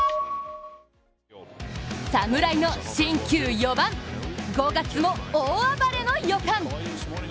侍の新旧４番、５月も大暴れの予感。